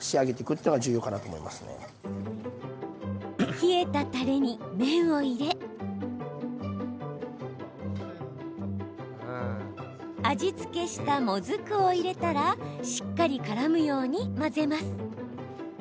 冷えたたれに麺を入れ味付けしたもずくを入れたらしっかりからむように混ぜます。